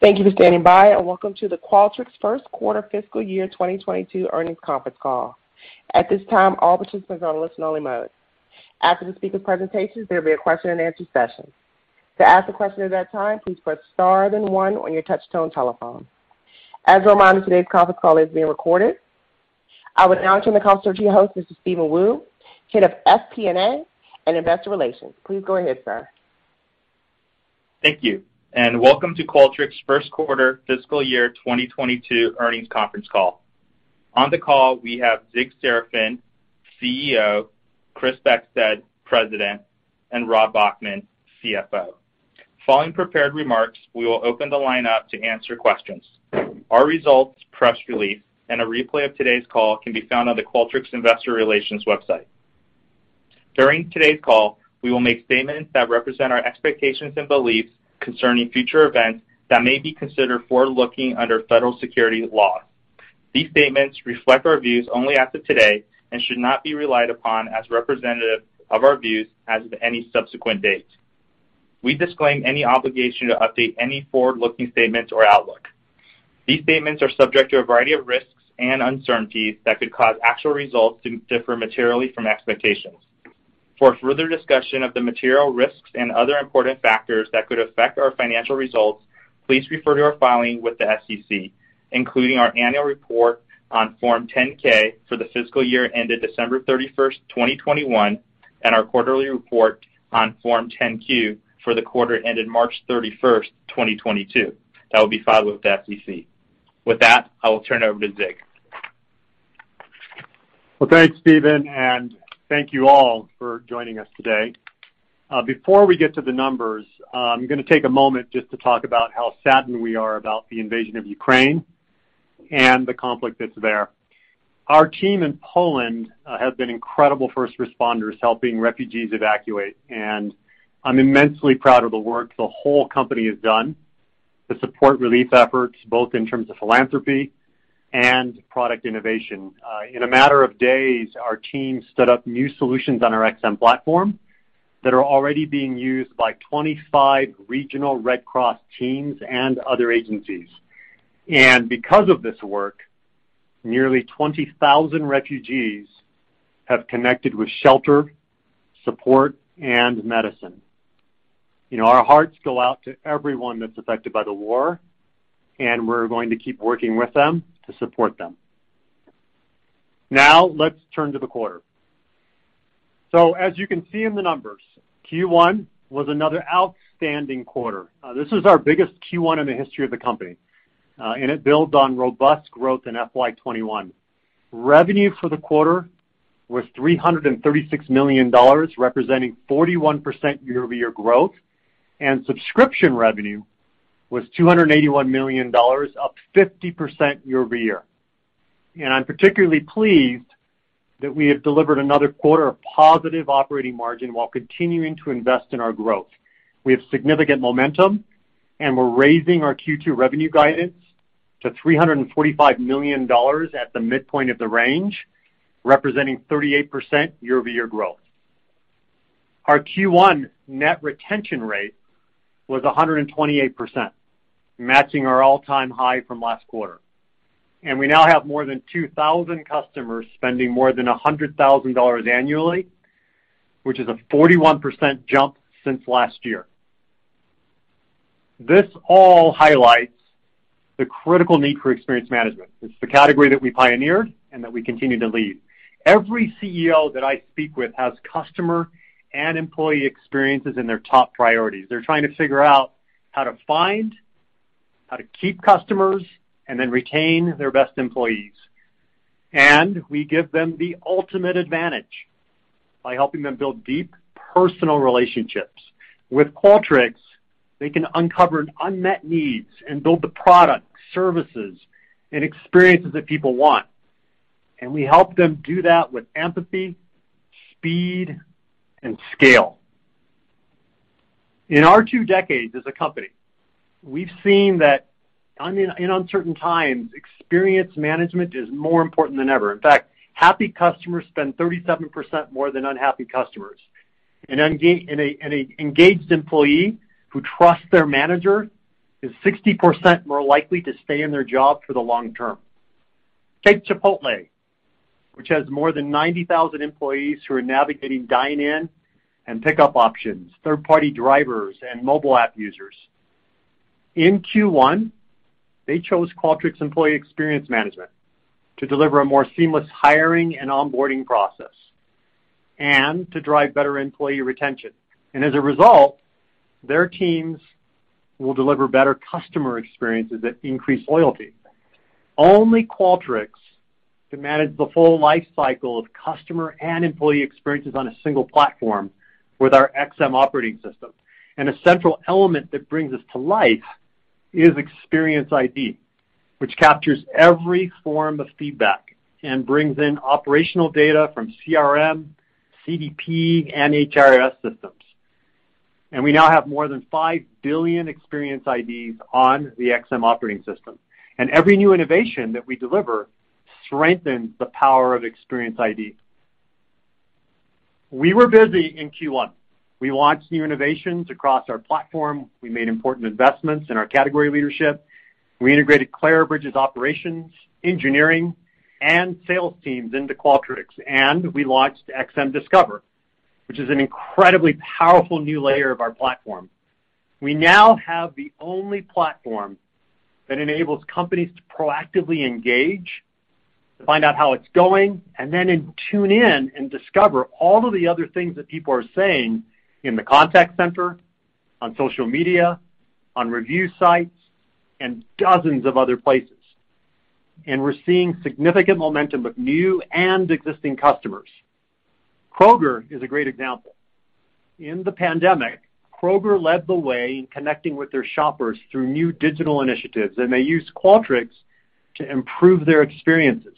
Thank you for standing by, and welcome to the Qualtrics first quarter fiscal year 2022 earnings conference call. At this time, all participants are on listen only mode. After the speaker presentations, there'll be a question and answer session. To ask a question at that time, please press star then one on your touch tone telephone. As a reminder, today's conference call is being recorded. I would now turn the call over to your host, Mr. Steven Wu, head of FP&A and investor relations. Please go ahead, sir. Thank you, and welcome to Qualtrics first quarter fiscal year 2022 earnings conference call. On the call, we have Zig Serafin, CEO, Chris Beckstead, President, and Rob Bachman, CFO. Following prepared remarks, we will open the line up to answer questions. Our results, press release, and a replay of today's call can be found on the Qualtrics investor relations website. During today's call, we will make statements that represent our expectations and beliefs concerning future events that may be considered forward-looking under federal securities laws. These statements reflect our views only as of today and should not be relied upon as representative of our views as of any subsequent date. We disclaim any obligation to update any forward-looking statements or outlook. These statements are subject to a variety of risks and uncertainties that could cause actual results to differ materially from expectations. For further discussion of the material risks and other important factors that could affect our financial results, please refer to our filing with the SEC, including our annual report on Form 10-K for the fiscal year ended December 31, 2021, and our quarterly report on Form 10-Q for the quarter ended March 31, 2022. That will be filed with the SEC. With that, I will turn it over to Zig. Well, thanks, Steven, and thank you all for joining us today. Before we get to the numbers, I'm gonna take a moment just to talk about how saddened we are about the invasion of Ukraine and the conflict that's there. Our team in Poland have been incredible first responders helping refugees evacuate, and I'm immensely proud of the work the whole company has done to support relief efforts, both in terms of philanthropy and product innovation. In a matter of days, our team stood up new solutions on our XM platform that are already being used by 25 regional Red Cross teams and other agencies. Because of this work, nearly 20,000 refugees have connected with shelter, support, and medicine. Our hearts go out to everyone that's affected by the war, and we're going to keep working with them to support them. Now let's turn to the quarter. As you can see in the numbers, Q1 was another outstanding quarter. This is our biggest Q1 in the history of the company, and it builds on robust growth in FY 2021. Revenue for the quarter was $336 million, representing 41% year-over-year growth, and subscription revenue was $281 million, up 50% year-over-year. I'm particularly pleased that we have delivered another quarter of positive operating margin while continuing to invest in our growth. We have significant momentum, and we're raising our Q2 revenue guidance to $345 million at the midpoint of the range, representing 38% year-over-year growth. Our Q1 net retention rate was 128%, matching our all-time high from last quarter. We now have more than 2,000 customers spending more than $100,000 annually, which is a 41% jump since last year. This all highlights the critical need for experience management. It's the category that we pioneered and that we continue to lead. Every CEO that I speak with has customer and employee experiences in their top priorities. They're trying to figure out how to find, how to keep customers, and then retain their best employees. We give them the ultimate advantage by helping them build deep personal relationships. With Qualtrics, they can uncover unmet needs and build the products, services, and experiences that people want. We help them do that with empathy, speed, and scale. In our 2 decades as a company, we've seen that in uncertain times, experience management is more important than ever. In fact, happy customers spend 37% more than unhappy customers. An engaged employee who trusts their manager is 60% more likely to stay in their job for the long term. Take Chipotle, which has more than 90,000 employees who are navigating dine-in and pick-up options, third-party drivers, and mobile app users. In Q1, they chose Qualtrics employee experience management to deliver a more seamless hiring and onboarding process and to drive better employee retention. As a result, their teams will deliver better customer experiences that increase loyalty. Only Qualtrics can manage the full life cycle of customer and employee experiences on a single platform with our XM Operating System. A central element that brings this to life is Experience ID, which captures every form of feedback and brings in operational data from CRM, CDP, and HRIS systems. We now have more than 5 billion experience IDs on the XM Operating System. Every new innovation that we deliver strengthens the power of experience ID. We were busy in Q1. We launched new innovations across our platform. We made important investments in our category leadership. We integrated Clarabridge's operations, engineering, and sales teams into Qualtrics, and we launched XM Discover, which is an incredibly powerful new layer of our platform. We now have the only platform that enables companies to proactively engage, to find out how it's going, and then tune in and discover all of the other things that people are saying in the contact center, on social media, on review sites, and dozens of other places. We're seeing significant momentum with new and existing customers. Kroger is a great example. In the pandemic, Kroger led the way in connecting with their shoppers through new digital initiatives, and they used Qualtrics to improve their experiences.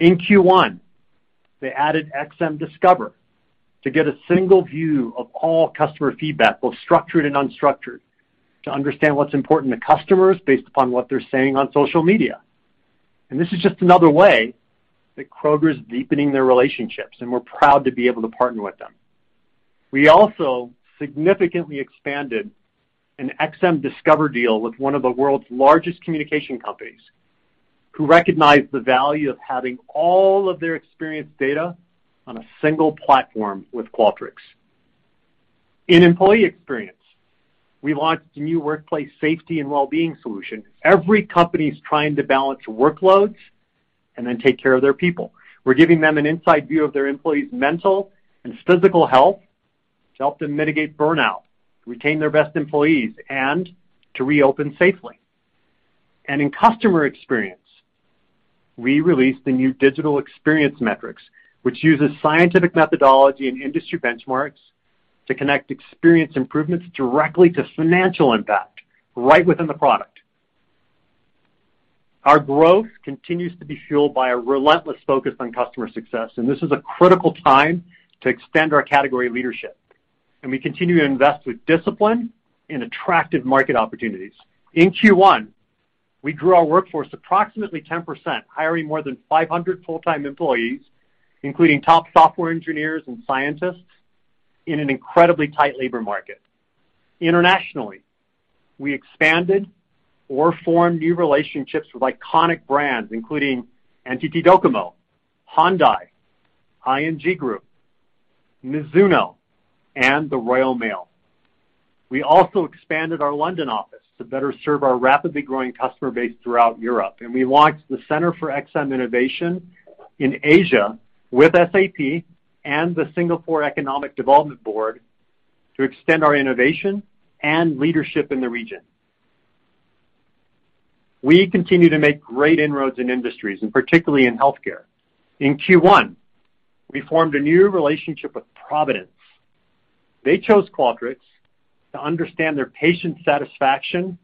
In Q1, they added XM Discover to get a single view of all customer feedback, both structured and unstructured, to understand what's important to customers based upon what they're saying on social media. This is just another way that Kroger's deepening their relationships, and we're proud to be able to partner with them. We also significantly expanded an XM Discover deal with one of the world's largest communication companies, who recognize the value of having all of their experience data on a single platform with Qualtrics. In employee experience, we launched a new workplace safety and well-being solution. Every company is trying to balance workloads and then take care of their people. We're giving them an inside view of their employees' mental and physical health to help them mitigate burnout, retain their best employees, and to reopen safely. In customer experience, we released the new Digital Experience Metrics, which uses scientific methodology and industry benchmarks to connect experience improvements directly to financial impact right within the product. Our growth continues to be fueled by a relentless focus on customer success, and this is a critical time to extend our category leadership. We continue to invest with discipline in attractive market opportunities. In Q1, we grew our workforce approximately 10%, hiring more than 500 full-time employees, including top software engineers and scientists in an incredibly tight labor market. Internationally, we expanded or formed new relationships with iconic brands, including NTT DOCOMO, Hyundai, ING Group, Mizuno, and the Royal Mail. We also expanded our London office to better serve our rapidly growing customer base throughout Europe, and we launched the Center for XM Innovation in Asia with SAP and the Singapore Economic Development Board to extend our innovation and leadership in the region. We continue to make great inroads in industries, and particularly in health care. In Q1, we formed a new relationship with Providence. They chose Qualtrics to understand their patient satisfaction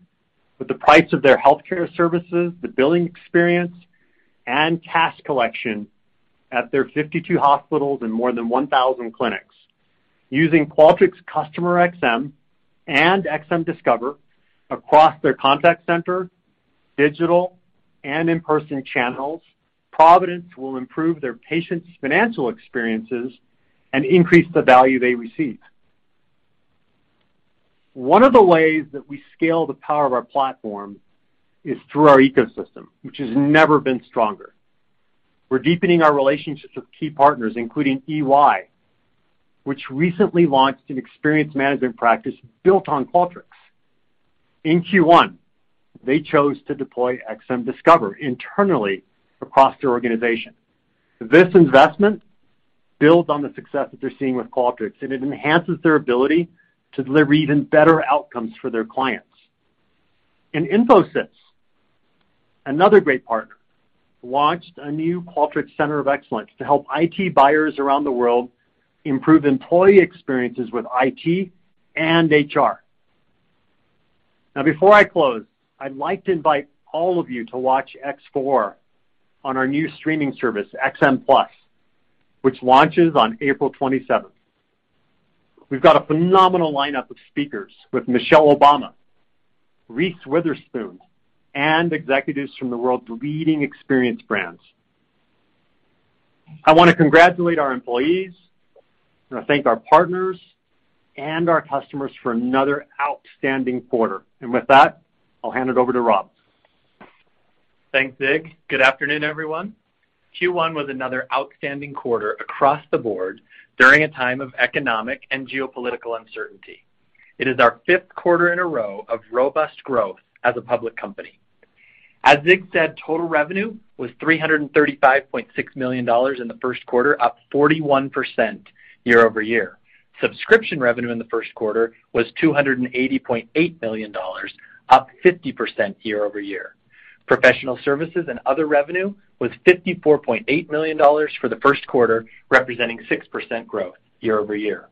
with the price of their health care services, the billing experience, and cash collection at their 52 hospitals and more than 1,000 clinics. Using Qualtrics CustomerXM and XM Discover across their contact center, digital, and in-person channels, Providence will improve their patients' financial experiences and increase the value they receive. One of the ways that we scale the power of our platform is through our ecosystem, which has never been stronger. We're deepening our relationships with key partners, including EY, which recently launched an experience management practice built on Qualtrics. In Q1, they chose to deploy XM Discover internally across their organization. This investment builds on the success that they're seeing with Qualtrics, and it enhances their ability to deliver even better outcomes for their clients. Infosys, another great partner, launched a new Qualtrics Center of Excellence to help IT buyers around the world improve employee experiences with IT and HR. Now, before I close, I'd like to invite all of you to watch X4 on our new streaming service, XM+, which launches on April 27. We've got a phenomenal lineup of speakers with Michelle Obama, Reese Witherspoon, and executives from the world's leading experience brands. I want to congratulate our employees, I thank our partners, and our customers for another outstanding quarter. With that, I'll hand it over to Rob. Thanks, Zig. Good afternoon, everyone. Q1 was another outstanding quarter across the board during a time of economic and geopolitical uncertainty. It is our fifth quarter in a row of robust growth as a public company. As Zig said, total revenue was $335.6 million in the first quarter, up 41% year-over-year. Subscription revenue in the first quarter was $280.8 million, up 50% year-over-year. Professional services and other revenue was $54.8 million for the first quarter, representing 6% growth year-over-year.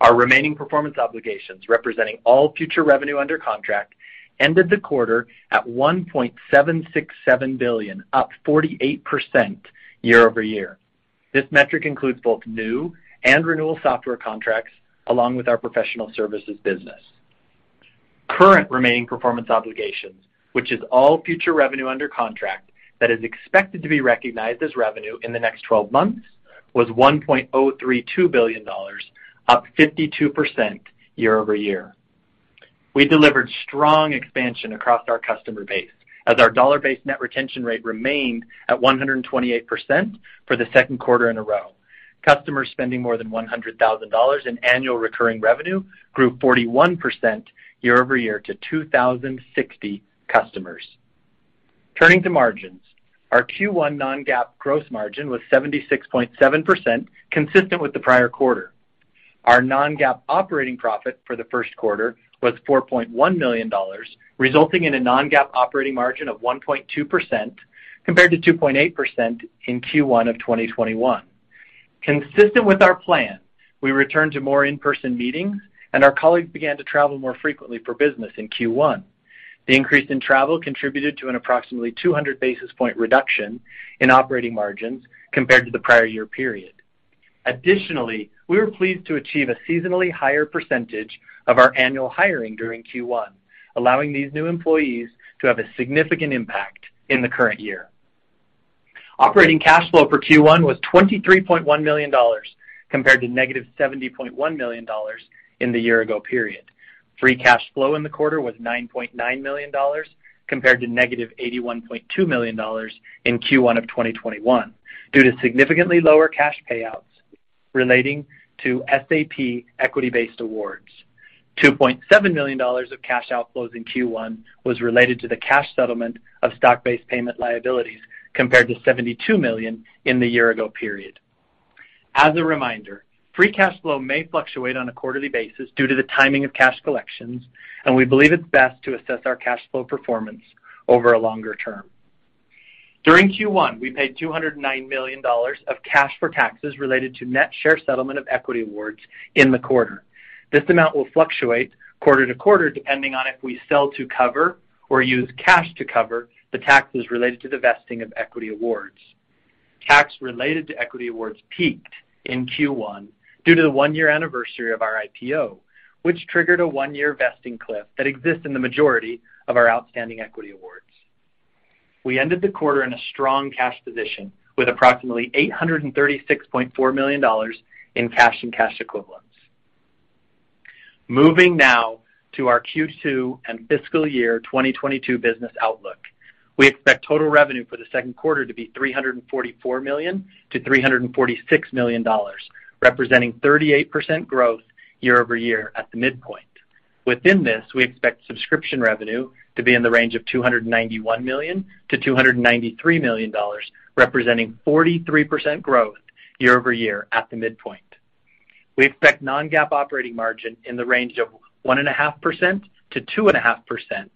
Our remaining performance obligations, representing all future revenue under contract, ended the quarter at $1.767 billion, up 48% year-over-year. This metric includes both new and renewal software contracts along with our professional services business. Current remaining performance obligations, which is all future revenue under contract that is expected to be recognized as revenue in the next twelve months, was $1.032 billion, up 52% year-over-year. We delivered strong expansion across our customer base as our dollar-based net retention rate remained at 128% for the second quarter in a row. Customers spending more than $100,000 in annual recurring revenue grew 41% year-over-year to 2,060 customers. Turning to margins. Our Q1 non-GAAP gross margin was 76.7%, consistent with the prior quarter. Our non-GAAP operating profit for the first quarter was $4.1 million, resulting in a non-GAAP operating margin of 1.2% compared to 2.8% in Q1 of 2021. Consistent with our plan, we returned to more in-person meetings, and our colleagues began to travel more frequently for business in Q1. The increase in travel contributed to an approximately 200 basis point reduction in operating margins compared to the prior year period. Additionally, we were pleased to achieve a seasonally higher percentage of our annual hiring during Q1, allowing these new employees to have a significant impact in the current year. Operating cash flow for Q1 was $23.1 million, compared to -$70.1 million in the year ago period. Free cash flow in the quarter was $9.9 million, compared to -$81.2 million in Q1 of 2021, due to significantly lower cash payouts relating to SAP equity-based awards. $2.7 million of cash outflows in Q1 was related to the cash settlement of stock-based payment liabilities, compared to $72 million in the year ago period. As a reminder, free cash flow may fluctuate on a quarterly basis due to the timing of cash collections, and we believe it's best to assess our cash flow performance over a longer term. During Q1, we paid $209 million of cash for taxes related to net share settlement of equity awards in the quarter. This amount will fluctuate quarter to quarter, depending on if we sell to cover or use cash to cover the taxes related to the vesting of equity awards. Tax related to equity awards peaked in Q1 due to the one-year anniversary of our IPO, which triggered a one-year vesting cliff that exists in the majority of our outstanding equity awards. We ended the quarter in a strong cash position with approximately $836.4 million in cash and cash equivalents. Moving now to our Q2 and fiscal year 2022 business outlook. We expect total revenue for the second quarter to be $344 million-$346 million, representing 38% growth year-over-year at the midpoint. Within this, we expect subscription revenue to be in the range of $291 million-$293 million, representing 43% growth year-over-year at the midpoint. We expect non-GAAP operating margin in the range of 1.5%-2.5%,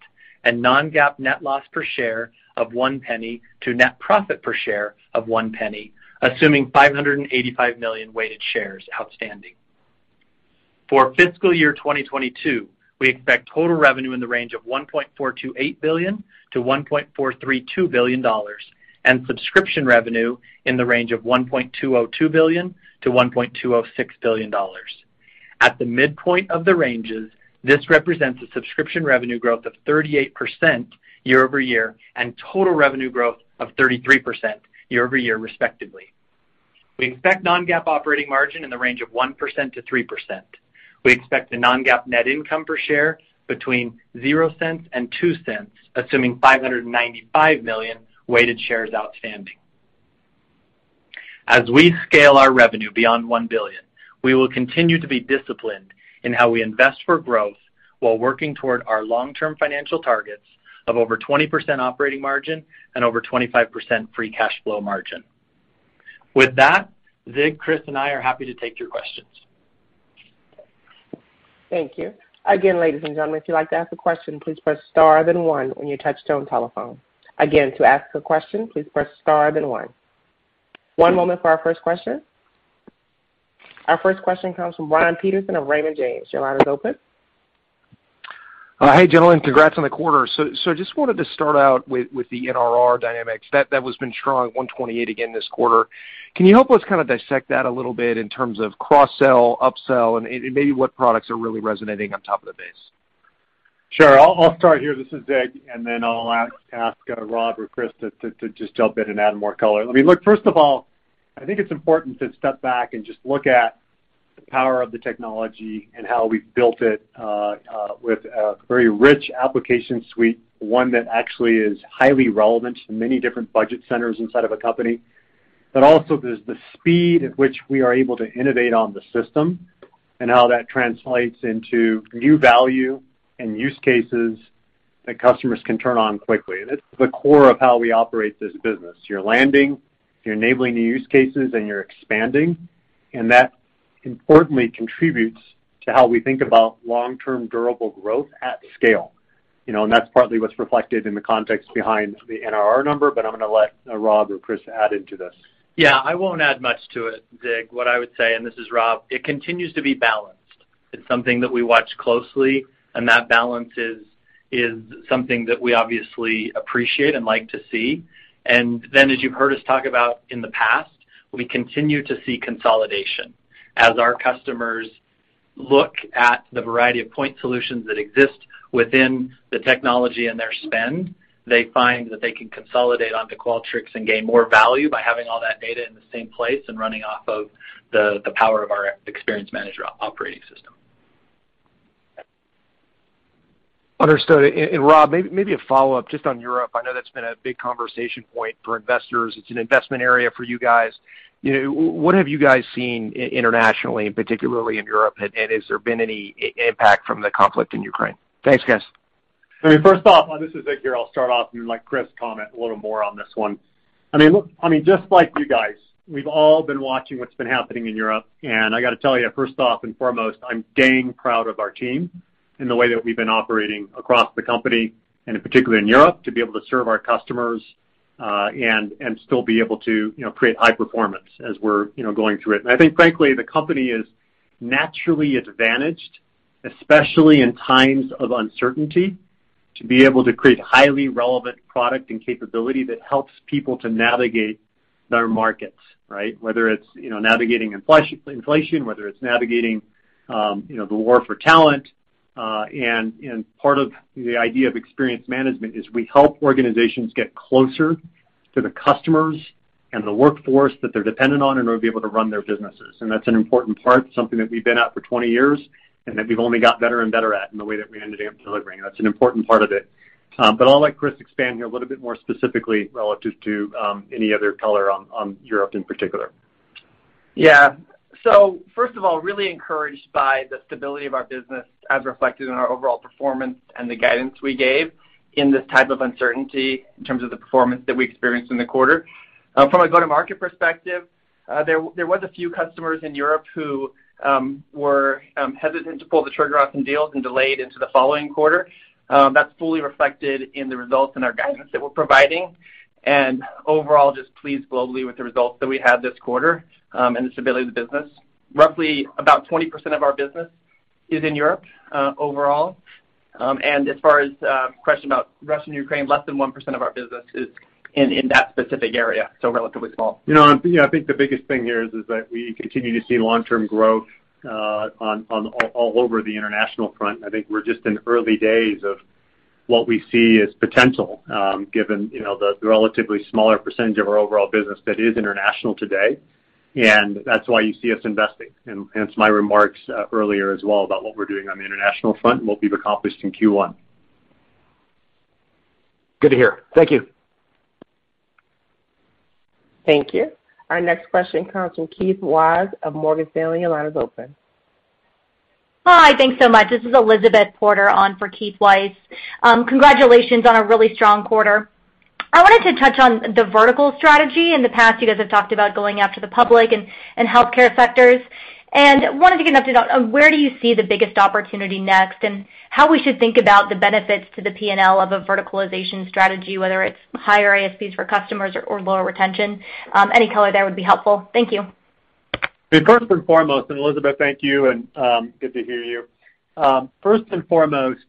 and non-GAAP net loss per share of $0.01 to net profit per share of $0.01, assuming 585 million weighted shares outstanding. For fiscal year 2022, we expect total revenue in the range of $1.428 billion-$1.432 billion, and subscription revenue in the range of $1.202 billion-$1.206 billion. At the midpoint of the ranges, this represents a subscription revenue growth of 38% year-over-year and total revenue growth of 33% year-over-year, respectively. We expect non-GAAP operating margin in the range of 1%-3%. We expect the non-GAAP net income per share between $0.00 and $0.02, assuming 595 million weighted shares outstanding. As we scale our revenue beyond $1 billion, we will continue to be disciplined in how we invest for growth while working toward our long-term financial targets of over 20% operating margin and over 25% free cash flow margin. With that, Zig, Chris, and I are happy to take your questions. Thank you. Again, ladies and gentlemen, if you'd like to ask a question, please press star then one on your touch tone telephone. Again, to ask a question, please press star then one. One moment for our first question. Our first question comes from Brian Peterson of Raymond James. Your line is open. Hey, gentlemen. Congrats on the quarter. Just wanted to start out with the NRR dynamics. That has been strong, 128% again this quarter. Can you help us kinda dissect that a little bit in terms of cross sell, upsell and maybe what products are really resonating on top of the base? Sure. I'll start here. This is Zig, and then I'll ask Rob or Chris to just jump in and add more color. I mean, look, first of all, I think it's important to step back and just look at the power of the technology and how we've built it with a very rich application suite, one that actually is highly relevant to many different budget centers inside of a company. Also there's the speed at which we are able to innovate on the system and how that translates into new value and use cases that customers can turn on quickly. It's the core of how we operate this business. You're landing, you're enabling new use cases, and you're expanding, and that importantly contributes to how we think about long-term durable growth at scale. You know, that's partly what's reflected in the context behind the NRR number, but I'm gonna let Rob or Chris add into this. Yeah, I won't add much to it, Zig. What I would say, and this is Rob, it continues to be balanced. It's something that we watch closely, and that balance is something that we obviously appreciate and like to see. As you've heard us talk about in the past, we continue to see consolidation. As our customers look at the variety of point solutions that exist within the technology and their spend, they find that they can consolidate onto Qualtrics and gain more value by having all that data in the same place and running off of the power of our XM Operating System. Understood. Rob, maybe a follow-up just on Europe. I know that's been a big conversation point for investors. It's an investment area for you guys. You know, what have you guys seen internationally, and particularly in Europe, and has there been any impact from the conflict in Ukraine? Thanks, guys. I mean, first off, this is Zig here. I'll start off and let Chris comment a little more on this one. I mean, look, I mean, just like you guys, we've all been watching what's been happening in Europe, and I gotta tell you, first off and foremost, I'm dang proud of our team and the way that we've been operating across the company, and in particular in Europe, to be able to serve our customers and still be able to, you know, create high performance as we're, you know, going through it. I think, frankly, the company is naturally advantaged, especially in times of uncertainty, to be able to create highly relevant product and capability that helps people to navigate their markets, right? Whether it's, you know, navigating inflation, whether it's navigating, you know, the war for talent, and part of the idea of experience management is we help organizations get closer to the customers and the workforce that they're dependent on in order to be able to run their businesses. That's an important part, something that we've been at for 20 years, and that we've only got better and better at in the way that we ended up delivering. That's an important part of it. But I'll let Chris expand here a little bit more specifically relative to any other color on Europe in particular. Yeah. First of all, really encouraged by the stability of our business as reflected in our overall performance and the guidance we gave in this type of uncertainty in terms of the performance that we experienced in the quarter. From a go-to-market perspective, there was a few customers in Europe who were hesitant to pull the trigger on some deals and delayed into the following quarter. That's fully reflected in the results and our guidance that we're providing. Overall, just pleased globally with the results that we had this quarter, and the stability of the business. Roughly about 20% of our business is in Europe, overall. As far as the question about Russia and Ukraine, less than 1% of our business is in that specific area, so relatively small. You know, you know, I think the biggest thing here is that we continue to see long-term growth all over the international front. I think we're just in early days of what we see as potential, given you know the relatively smaller percentage of our overall business that is international today. That's why you see us investing. In my remarks earlier as well about what we're doing on the international front and what we've accomplished in Q1. Good to hear. Thank you. Thank you. Our next question comes from Keith Weiss of Morgan Stanley. Your line is open. Hi. Thanks so much. This is Elizabeth Porter on for Keith Weiss. Congratulations on a really strong quarter. I wanted to touch on the vertical strategy. In the past, you guys have talked about going after the public and healthcare sectors. Wanted to get an update on where do you see the biggest opportunity next and how we should think about the benefits to the P&L of a verticalization strategy, whether it's higher ASPs for customers or lower retention. Any color there would be helpful. Thank you. First and foremost. Elizabeth, thank you, and good to hear you. First and foremost,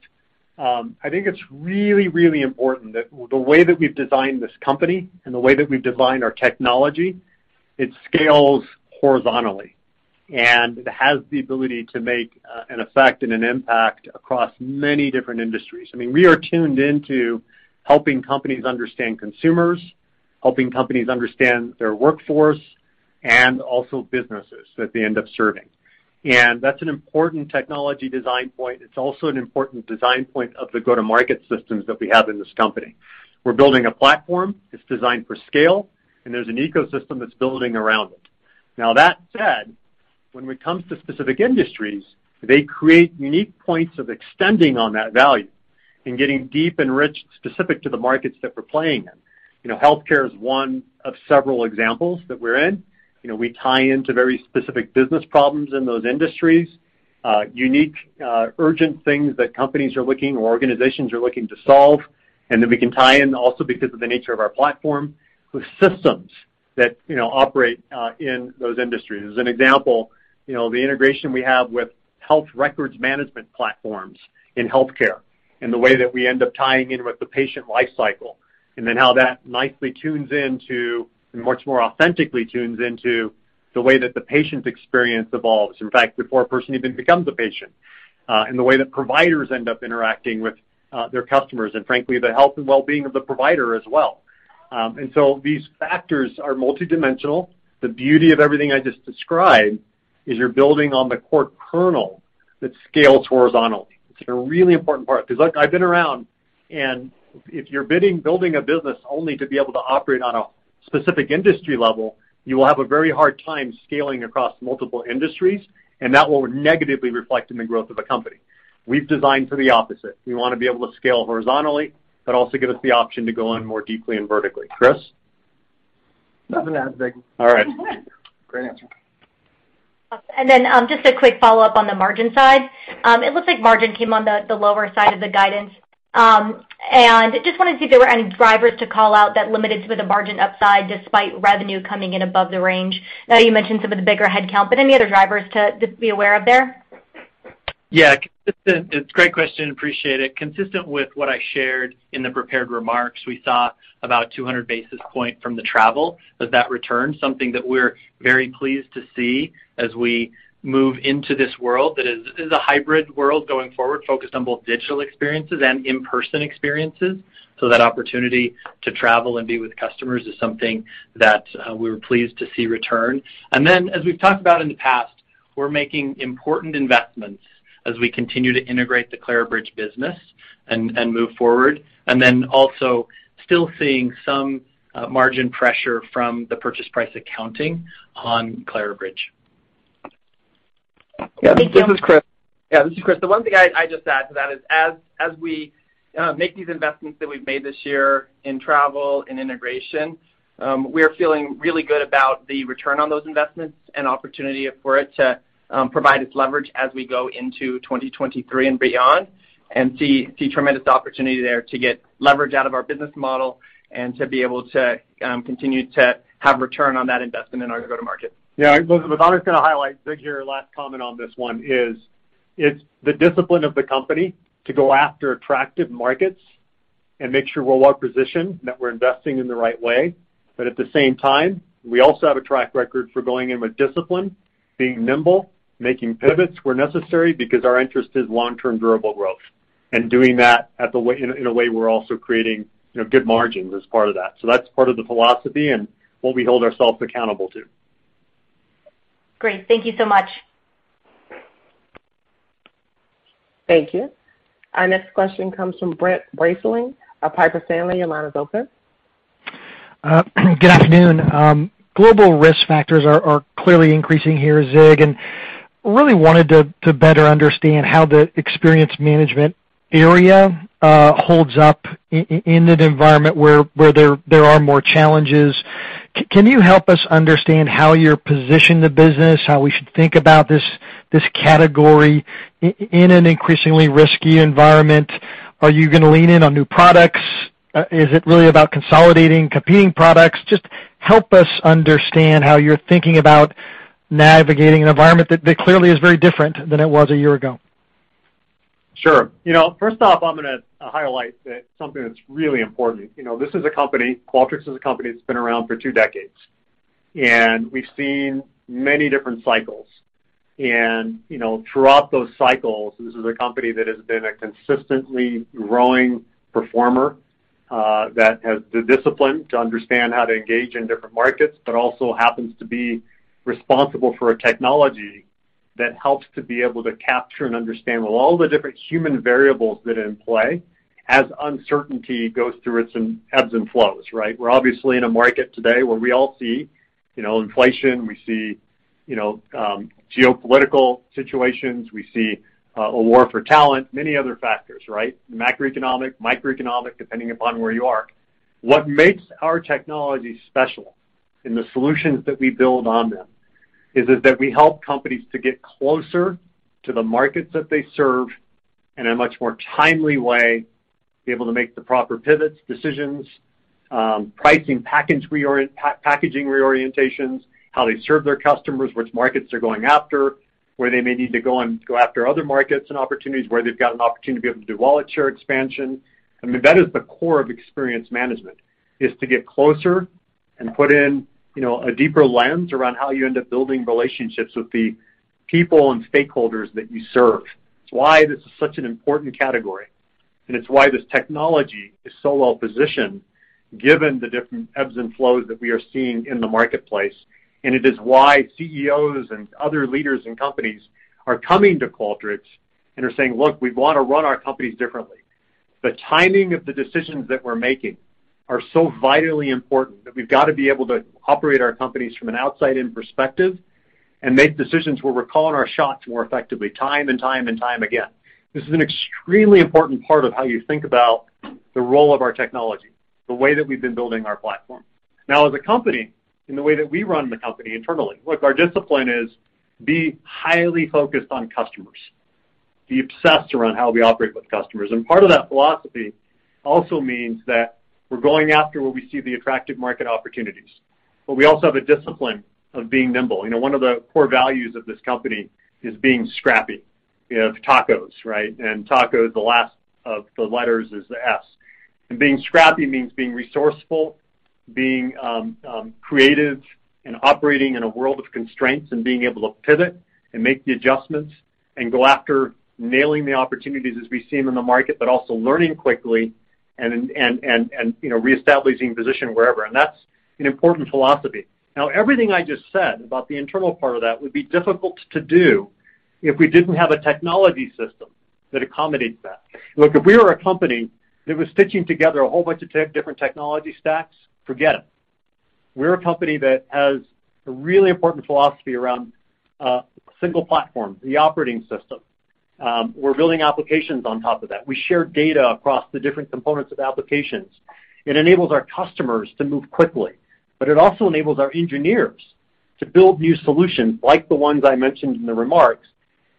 I think it's really, really important that the way that we've designed this company and the way that we've designed our technology, it scales horizontally, and it has the ability to make an effect and an impact across many different industries. I mean, we are tuned into helping companies understand consumers, helping companies understand their workforce, and also businesses that they end up serving. That's an important technology design point. It's also an important design point of the go-to-market systems that we have in this company. We're building a platform that's designed for scale, and there's an ecosystem that's building around it. Now that said, when it comes to specific industries, they create unique points of extending on that value and getting deep and rich specific to the markets that we're playing in. You know, healthcare is one of several examples that we're in. You know, we tie into very specific business problems in those industries, unique, urgent things that companies are looking or organizations are looking to solve. And then we can tie in also because of the nature of our platform with systems that, you know, operate in those industries. As an example, you know, the integration we have with health records management platforms in healthcare and the way that we end up tying in with the patient life cycle, and then how that nicely tunes into, and much more authentically tunes into the way that the patient experience evolves, in fact, before a person even becomes a patient, and the way that providers end up interacting with, their customers, and frankly, the health and wellbeing of the provider as well. These factors are multidimensional. The beauty of everything I just described is you're building on the core kernel that scales horizontally. It's a really important part because look, I've been around, and if you're building a business only to be able to operate on a specific industry level, you will have a very hard time scaling across multiple industries, and that will negatively reflect in the growth of a company. We've designed for the opposite. We wanna be able to scale horizontally, but also give us the option to go in more deeply and vertically. Chris? Nothing to add, Zig. All right. Great answer. Just a quick follow-up on the margin side. It looks like margin came on the lower side of the guidance. Just wanted to see if there were any drivers to call out that limited some of the margin upside despite revenue coming in above the range. I know you mentioned some of the bigger headcount, but any other drivers to be aware of there? Yeah. It's a great question. Appreciate it. Consistent with what I shared in the prepared remarks, we saw about 200 basis points from the travel as that returned, something that we're very pleased to see as we move into this world that is a hybrid world going forward, focused on both digital experiences and in-person experiences. That opportunity to travel and be with customers is something that we were pleased to see return. As we've talked about in the past, we're making important investments as we continue to integrate the Clarabridge business and move forward, and then also still seeing some margin pressure from the purchase price accounting on Clarabridge. Thank you. This is Chris. The one thing I just add to that is as we make these investments that we've made this year in travel and integration, we are feeling really good about the return on those investments and opportunity for it to provide its leverage as we go into 2023 and beyond, and see tremendous opportunity there to get leverage out of our business model and to be able to continue to have return on that investment in our go-to-market. Yeah. I was always gonna highlight Zig, your last comment on this one, is it's the discipline of the company to go after attractive markets and make sure we're well-positioned, that we're investing in the right way. But at the same time, we also have a track record for going in with discipline, being nimble, making pivots where necessary because our interest is long-term durable growth, and doing that in a way we're also creating, you know, good margins as part of that. That's part of the philosophy and what we hold ourselves accountable to. Great. Thank you so much. Thank you. Our next question comes from Brent Bracelin of Piper Sandler. Your line is open. Good afternoon. Global risk factors are clearly increasing here, Zig, and really wanted to better understand how the experience management area holds up in an environment where there are more challenges. Can you help us understand how you position the business, how we should think about this category in an increasingly risky environment? Are you gonna lean in on new products? Is it really about consolidating competing products? Just help us understand how you're thinking about navigating an environment that clearly is very different than it was a year ago. Sure. You know, first off, I'm gonna highlight that something that's really important. You know, this is a company, Qualtrics is a company that's been around for two decades, and we've seen many different cycles. You know, throughout those cycles, this is a company that has been a consistently growing performer that has the discipline to understand how to engage in different markets, but also happens to be responsible for a technology that helps to be able to capture and understand with all the different human variables that are in play as uncertainty goes through its ebbs and flows, right? We're obviously in a market today where we all see, you know, inflation, we see, you know, geopolitical situations, we see a war for talent, many other factors, right? Macroeconomic, microeconomic, depending upon where you are. What makes our technology special and the solutions that we build on them is that we help companies to get closer to the markets that they serve in a much more timely way, be able to make the proper pivots, decisions, pricing packaging reorientations, how they serve their customers, which markets they're going after, where they may need to go and go after other markets and opportunities, where they've got an opportunity to be able to do wallet share expansion. I mean, that is the core of experience management, is to get closer and put in, you know, a deeper lens around how you end up building relationships with the people and stakeholders that you serve. It's why this is such an important category, and it's why this technology is so well-positioned given the different ebbs and flows that we are seeing in the marketplace. It is why CEOs and other leaders in companies are coming to Qualtrics and are saying, "Look, we want to run our companies differently. The timing of the decisions that we're making are so vitally important that we've got to be able to operate our companies from an outside-in perspective and make decisions where we're calling our shots more effectively time and time again." This is an extremely important part of how you think about the role of our technology, the way that we've been building our platform. Now, as a company, and the way that we run the company internally, look, our discipline is to be highly focused on customers. Be obsessed around how we operate with customers. Part of that philosophy also means that we're going after where we see the attractive market opportunities, but we also have a discipline of being nimble. You know, one of the core values of this company is being scrappy. You know, tacos, right? In tacos, the last of the letters is the S. Being scrappy means being resourceful, being creative and operating in a world of constraints and being able to pivot and make the adjustments and go after nailing the opportunities as we see them in the market, but also learning quickly, you know, reestablishing position wherever. That's an important philosophy. Now, everything I just said about the internal part of that would be difficult to do if we didn't have a technology system that accommodates that. Look, if we were a company that was stitching together a whole bunch of tech, different technology stacks, forget it. We're a company that has a really important philosophy around single platform, the operating system. We're building applications on top of that. We share data across the different components of applications. It enables our customers to move quickly, but it also enables our engineers to build new solutions, like the ones I mentioned in the remarks.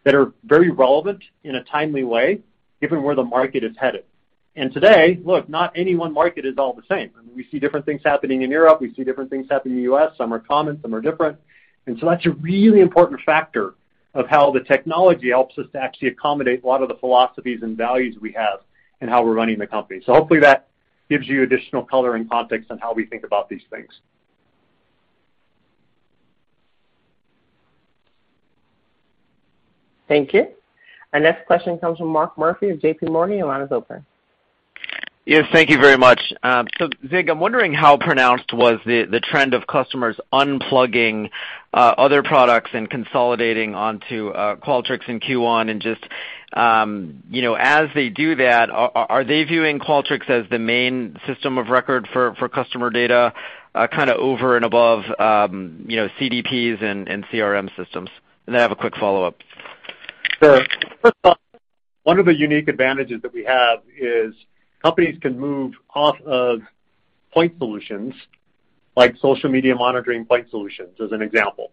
That are very relevant in a timely way, given where the market is headed. Today, look, not any one market is all the same. I mean, we see different things happening in Europe, we see different things happening in U.S. Some are common, some are different. That's a really important factor of how the technology helps us to actually accommodate a lot of the philosophies and values we have in how we're running the company. Hopefully that gives you additional color and context on how we think about these things. Thank you. Our next question comes from Mark Murphy of J.P. Morgan. Your line is open. Yes, thank you very much. So Zig, I'm wondering how pronounced was the trend of customers unplugging other products and consolidating onto Qualtrics in Q1 and just, you know, as they do that, are they viewing Qualtrics as the main system of record for customer data, kinda over and above, you know, CDPs and CRM systems? I have a quick follow-up. First off, one of the unique advantages that we have is companies can move off of point solutions like social media monitoring point solutions, as an example,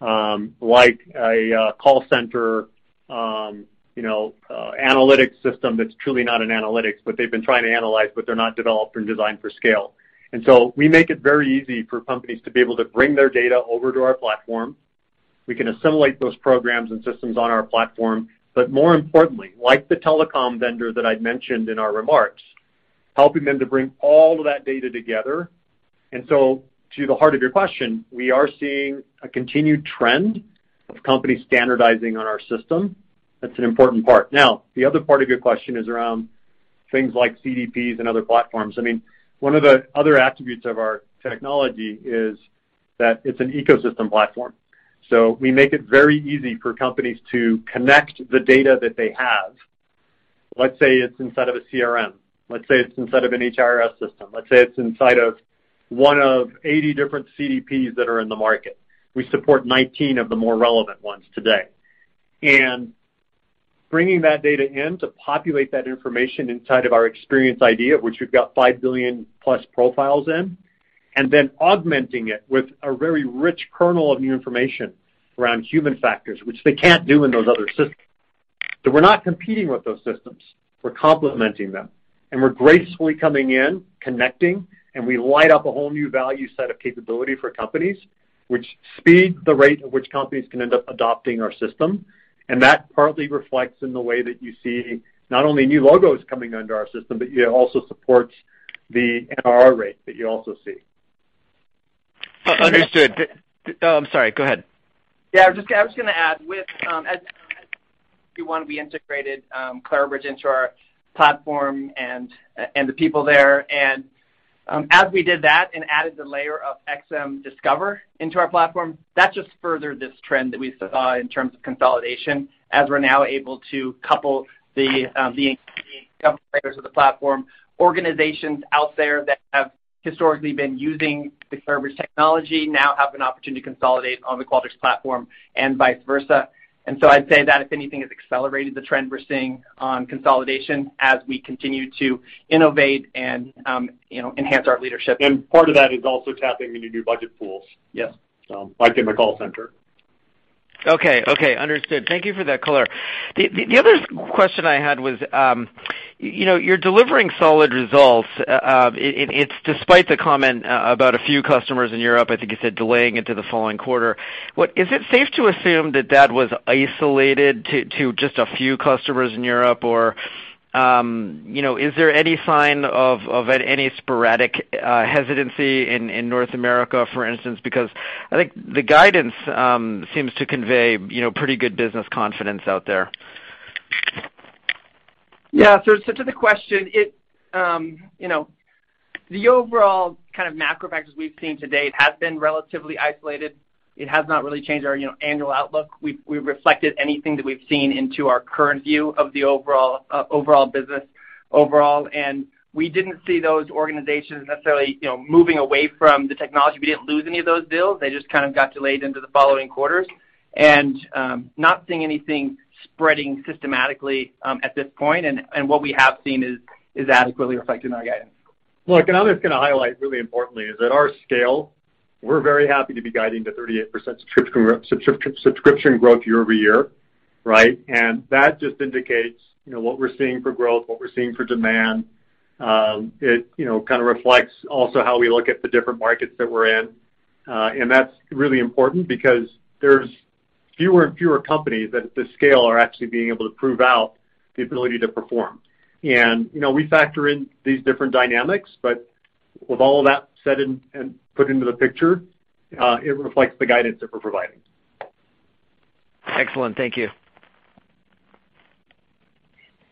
like a call center, you know, analytics system that's truly not an analytics, but they've been trying to analyze, but they're not developed and designed for scale. We make it very easy for companies to be able to bring their data over to our platform. We can assimilate those programs and systems on our platform, but more importantly, like the telecom vendor that I'd mentioned in our remarks, helping them to bring all of that data together. To the heart of your question, we are seeing a continued trend of companies standardizing on our system. That's an important part. Now, the other part of your question is around things like CDPs and other platforms. I mean, one of the other attributes of our technology is that it's an ecosystem platform. We make it very easy for companies to connect the data that they have. Let's say it's inside of a CRM. Let's say it's inside of an HRIS system. Let's say it's inside of one of 80 different CDPs that are in the market. We support 19 of the more relevant ones today. Bringing that data in to populate that information inside of our Experience ID, which we've got 5 billion+ profiles in, and then augmenting it with a very rich kernel of new information around human factors, which they can't do in those other systems. We're not competing with those systems, we're complementing them, and we're gracefully coming in, connecting, and we light up a whole new value set of capability for companies, which speeds the rate at which companies can end up adopting our system. That partly reflects in the way that you see not only new logos coming under our system, but it also supports the MRR rate that you also see. Understood. Oh, I'm sorry. Go ahead. Yeah, I was just gonna add, as Q1, we integrated Clarabridge into our platform and the people there. As we did that and added the layer of XM Discover into our platform, that just furthered this trend that we saw in terms of consolidation, as we're now able to couple the of the platform. Organizations out there that have historically been using the Clarabridge technology now have an opportunity to consolidate on the Qualtrics platform and vice versa. I'd say that if anything has accelerated the trend we're seeing on consolidation as we continue to innovate and you know, enhance our leadership. Part of that is also tapping into new budget pools. Yes. Like in the call center. Okay. Understood. Thank you for that color. The other question I had was, you know, you're delivering solid results. It's despite the comment about a few customers in Europe, I think you said, delaying into the following quarter. Is it safe to assume that that was isolated to just a few customers in Europe? Or, you know, is there any sign of any sporadic hesitancy in North America, for instance? Because I think the guidance seems to convey, you know, pretty good business confidence out there. To the question, you know, the overall kind of macro factors we've seen to date has been relatively isolated. It has not really changed our, you know, annual outlook. We've reflected anything that we've seen into our current view of the overall business overall, and we didn't see those organizations necessarily, you know, moving away from the technology. We didn't lose any of those deals. They just kind of got delayed into the following quarters, not seeing anything spreading systematically at this point, and what we have seen is adequately reflected in our guidance. Look, I'm just gonna highlight really importantly is that our scale. We're very happy to be guiding to 38% subscription growth year-over-year, right? That just indicates, you know, what we're seeing for growth, what we're seeing for demand. It, you know, kinda reflects also how we look at the different markets that we're in. That's really important because there's fewer and fewer companies that at this scale are actually being able to prove out the ability to perform. You know, we factor in these different dynamics, but with all of that said and put into the picture, it reflects the guidance that we're providing. Excellent. Thank you.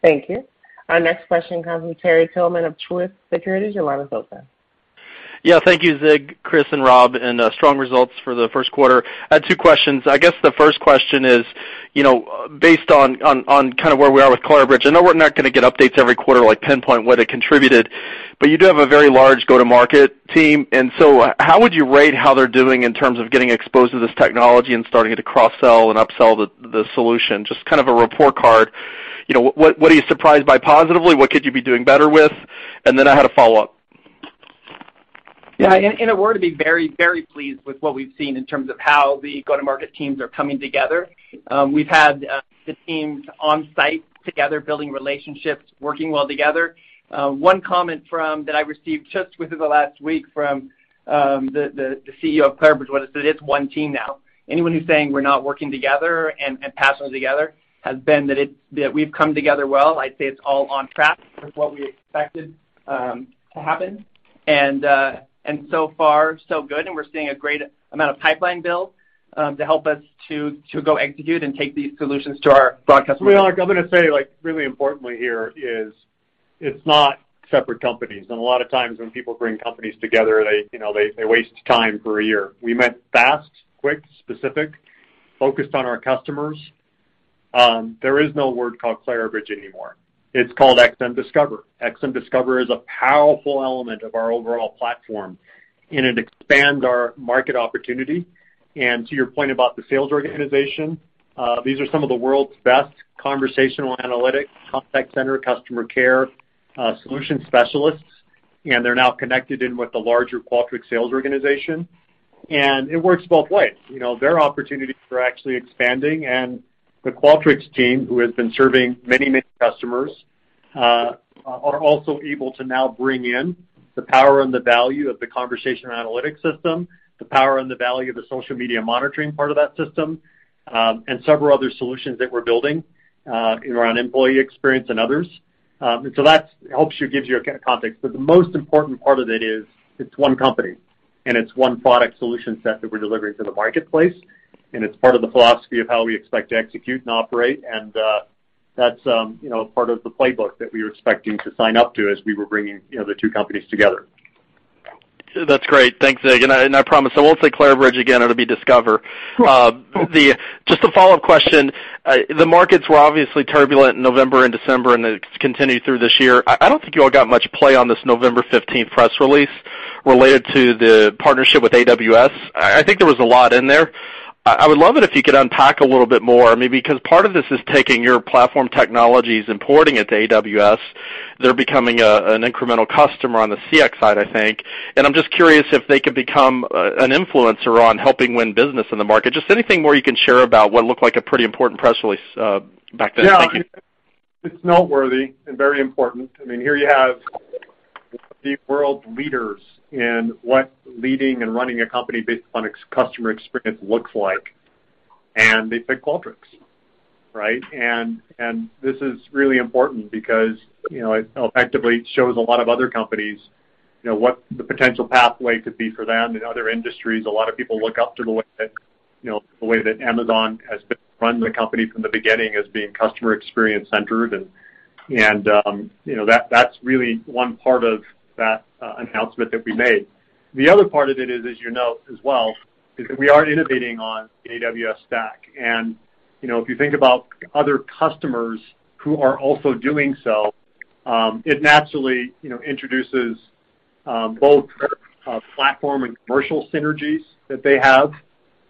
Thank you. Our next question comes from Terry Tillman of Truist Securities. Your line is open. Yeah. Thank you Zig, Chris, and Rob, and strong results for the first quarter. I had two questions. I guess the first question is, you know, based on on kind of where we are with Clarabridge. I know we're not gonna get updates every quarter like pinpoint what it contributed, but you do have a very large go-to-market team. How would you rate how they're doing in terms of getting exposed to this technology and starting to cross-sell and upsell the solution? Just kind of a report card. You know, what are you surprised by positively? What could you be doing better with? Then I had a follow-up. Yeah, in a word, I'd be very, very pleased with what we've seen in terms of how the go-to-market teams are coming together. We've had the teams on site together building relationships, working well together. One comment that I received just within the last week from the CEO of Clarabridge was that it's one team now. Anyone who's saying we're not working together and passing together has been that we've come together well. I'd say it's all on track with what we expected to happen. So far, so good, and we're seeing a great amount of pipeline build to help us to go execute and take these solutions to our broadcast- Well, look, I'm gonna say, like, really importantly here is it's not separate companies. A lot of times when people bring companies together, they, you know, waste time for a year. We meant fast, quick, specific, focused on our customers. There is no word called Clarabridge anymore. It's called XM Discover. XM Discover is a powerful element of our overall platform, and it expands our market opportunity. To your point about the sales organization, these are some of the world's best conversational analytics, contact center, customer care, solution specialists, and they're now connected in with the larger Qualtrics sales organization. It works both ways. You know, their opportunities are actually expanding, and the Qualtrics team, who has been serving many, many customers, are also able to now bring in the power and the value of the conversation analytics system, the power and the value of the social media monitoring part of that system, and several other solutions that we're building around employee experience and others. That helps you, gives you a context. But the most important part of it is it's one company, and it's one product solution set that we're delivering to the marketplace, and it's part of the philosophy of how we expect to execute and operate. That's, you know, part of the playbook that we were expecting to sign up to as we were bringing, you know, the two companies together. That's great. Thanks, Zig. I promise I won't say Clarabridge again, it'll be Discover. Just a follow-up question. The markets were obviously turbulent in November and December, and it continued through this year. I don't think you all got much play on this November fifteenth press release related to the partnership with AWS. I think there was a lot in there. I would love it if you could unpack a little bit more, maybe 'cause part of this is taking your platform technologies, importing it to AWS. They're becoming an incremental customer on the CX side, I think. I'm just curious if they could become an influencer on helping win business in the market. Just anything more you can share about what looked like a pretty important press release back then. Thank you. Yeah. It's noteworthy and very important. I mean, here you have the world leaders in what leading and running a company based upon XM customer experience looks like, and they pick Qualtrics, right? This is really important because, you know, it effectively shows a lot of other companies, you know, what the potential pathway could be for them in other industries. A lot of people look up to the way that, you know, the way that Amazon has been run the company from the beginning as being customer experience-centered. You know, that's really one part of that announcement that we made. The other part of it is, as you know as well, is that we are innovating on AWS stack. you know, if you think about other customers who are also doing so, it naturally, you know, introduces, both, platform and commercial synergies that they have,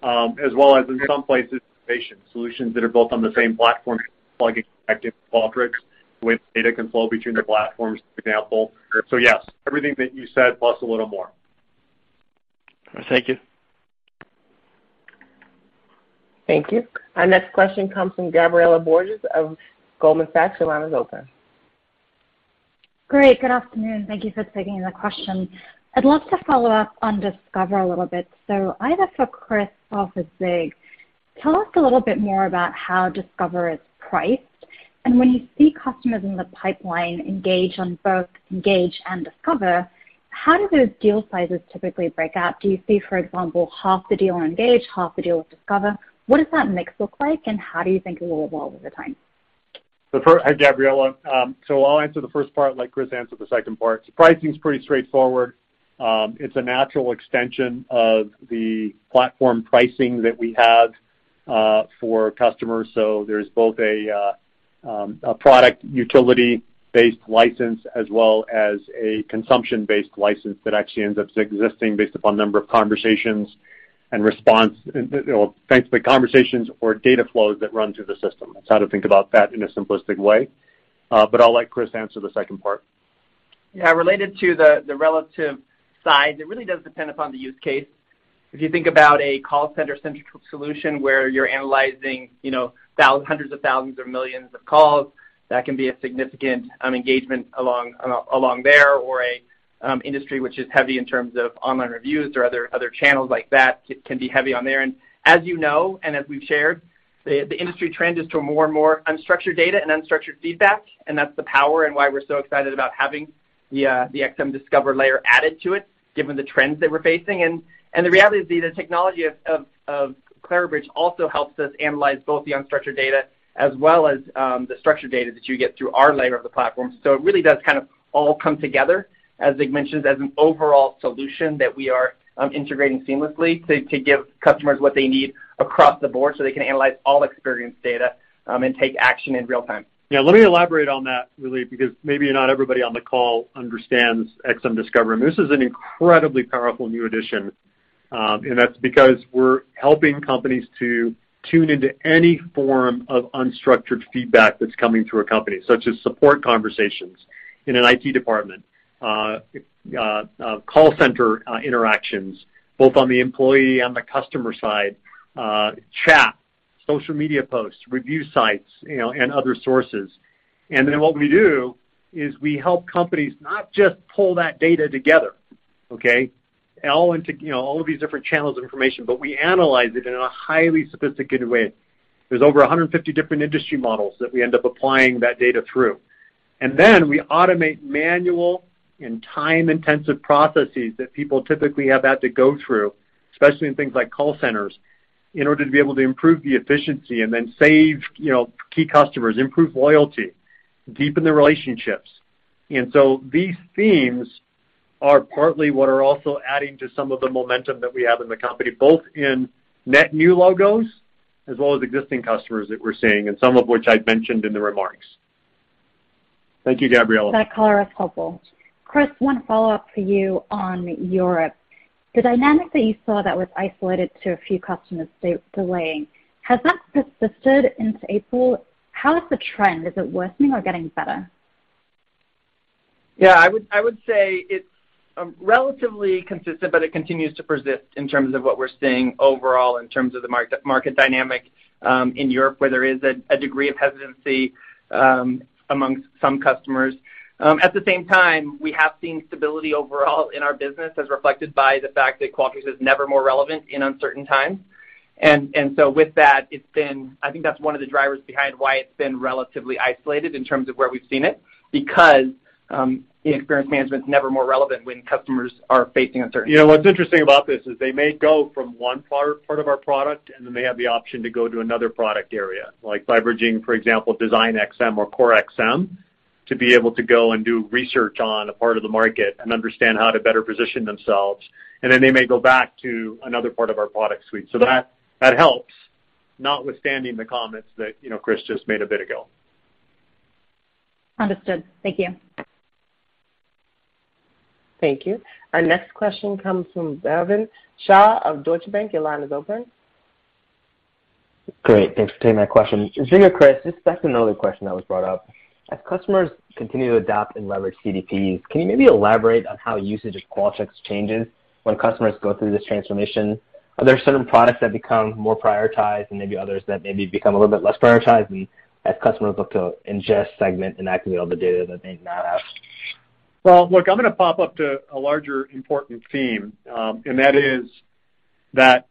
as well as in some places, innovation solutions that are both on the same platform, plug and connected Qualtrics with data can flow between the platforms, for example. Yes, everything that you said plus a little more. Thank you. Thank you. Our next question comes from Gabriela Borges of Goldman Sachs. Your line is open. Great. Good afternoon. Thank you for taking the question. I'd love to follow up on Discover a little bit. Either for Chris or for Zig, tell us a little bit more about how Discover is priced. When you see customers in the pipeline engage on both Engage and Discover, how do those deal sizes typically break out? Do you see, for example, half the deal on Engage, half the deal with Discover? What does that mix look like, and how do you think it will evolve over time? Hi, Gabriela. I'll answer the first part, let Chris answer the second part. Pricing's pretty straightforward. It's a natural extension of the platform pricing that we have for customers. There's both a product utility-based license as well as a consumption-based license that actually ends up existing based upon number of conversations and response, you know, basically conversations or data flows that run through the system. That's how to think about that in a simplistic way. I'll let Chris answer the second part. Yeah. Related to the relative size, it really does depend upon the use case. If you think about a call center-centric solution where you're analyzing hundreds of thousands or millions of calls, that can be a significant engagement along there, or an industry which is heavy in terms of online reviews or other channels like that can be heavy on there. As you know and as we've shared, the industry trend is to more and more unstructured data and unstructured feedback, and that's the power and why we're so excited about having the XM Discover layer added to it given the trends that we're facing. The reality is the technology of Clarabridge also helps us analyze both the unstructured data as well as the structured data that you get through our layer of the platform. It really does kind of all come together, as Zig mentioned, as an overall solution that we are integrating seamlessly to give customers what they need across the board, so they can analyze all experience data and take action in real time. Yeah, let me elaborate on that, really, because maybe not everybody on the call understands XM Discover. I mean, this is an incredibly powerful new addition, and that's because we're helping companies to tune into any form of unstructured feedback that's coming through a company, such as support conversations in an IT department, call center interactions, both on the employee and the customer side, chat, social media posts, review sites, you know, and other sources. What we do is we help companies not just pull that data together, all into you know, all of these different channels of information, but we analyze it in a highly sophisticated way. There's over 150 different industry models that we end up applying that data through. We automate manual and time-intensive processes that people typically have had to go through, especially in things like call centers, in order to be able to improve the efficiency and then save, you know, key customers, improve loyalty, deepen the relationships. These themes are partly what are also adding to some of the momentum that we have in the company, both in net new logos as well as existing customers that we're seeing, and some of which I'd mentioned in the remarks. Thank you, Gabriela. I call her as helpful. Chris, one follow-up for you on Europe. The dynamic that you saw that was isolated to a few customers delaying, has that persisted into April? How is the trend? Is it worsening or getting better? Yeah, I would say it's relatively consistent, but it continues to persist in terms of what we're seeing overall in terms of the market dynamic in Europe, where there is a degree of hesitancy amongst some customers. At the same time, we have seen stability overall in our business as reflected by the fact that Qualtrics is never more relevant in uncertain times. With that, it's been. I think that's one of the drivers behind why it's been relatively isolated in terms of where we've seen it because the experience management's never more relevant when customers are facing uncertainty. You know, what's interesting about this is they may go from one part of our product, and they may have the option to go to another product area, like leveraging, for example, DesignXM or CoreXM, to be able to go and do research on a part of the market and understand how to better position themselves. Then they may go back to another part of our product suite. That helps, notwithstanding the comments that, you know, Chris just made a bit ago. Understood. Thank you. Thank you. Our next question comes from Bhavin Shah of Deutsche Bank. Your line is open. Great. Thanks for taking my question. You know, Chris, just back to another question that was brought up. As customers continue to adapt and leverage CDPs, can you maybe elaborate on how usage of Qualtrics changes when customers go through this transformation? Are there certain products that become more prioritized and maybe others that maybe become a little bit less prioritized as customers look to ingest, segment, and activate all the data that they now have? Well, look, I'm gonna pop up to a larger important theme, and that is that,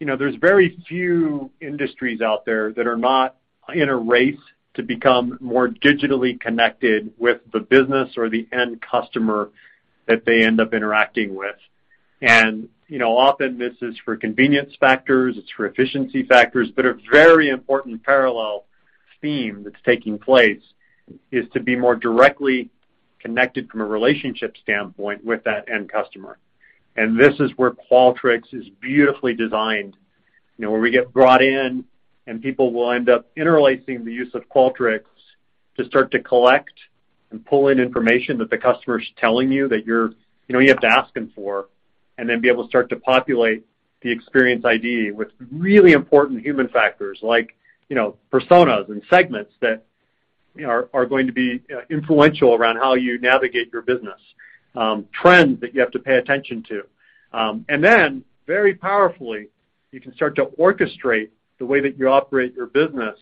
you know, there's very few industries out there that are not in a race to become more digitally connected with the business or the end customer that they end up interacting with. You know, often this is for convenience factors, it's for efficiency factors, but a very important parallel theme that's taking place is to be more directly connected from a relationship standpoint with that end customer. This is where Qualtrics is beautifully designed, you know, where we get brought in and people will end up interlacing the use of Qualtrics to start to collect and pull in information that the customer's telling you that you know, you have to ask them for, and then be able to start to populate the Experience ID with really important human factors like, you know, personas and segments that, you know, are going to be influential around how you navigate your business, trends that you have to pay attention to. Very powerfully, you can start to orchestrate the way that you operate your business.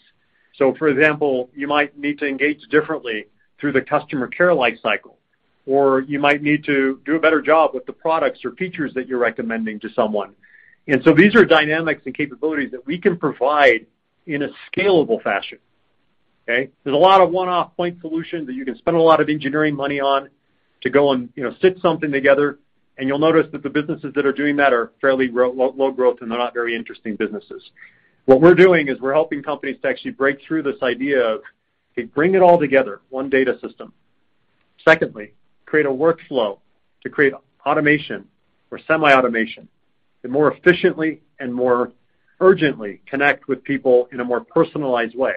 For example, you might need to engage differently through the customer care life cycle, or you might need to do a better job with the products or features that you're recommending to someone. These are dynamics and capabilities that we can provide in a scalable fashion. Okay? There's a lot of one-off point solutions that you can spend a lot of engineering money on to go and, you know, sit something together, and you'll notice that the businesses that are doing that are fairly low growth, and they're not very interesting businesses. What we're doing is we're helping companies to actually break through this idea of, hey, bring it all together, one data system. Secondly, create a workflow to create automation or semi-automation to more efficiently and more urgently connect with people in a more personalized way.